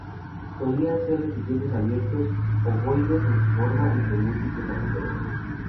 Solían ser recipientes abiertos, ovoides en su forma y con múltiples agujeros.